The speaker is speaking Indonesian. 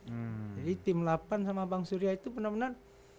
jadi tim delapan sama bang surya itu benar benar